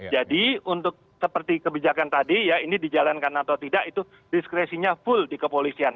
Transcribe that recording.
jadi untuk seperti kebijakan tadi ini dijalankan atau tidak itu diskresinya full di kepolisian